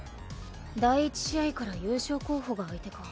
第１試合から優勝候補が相手か。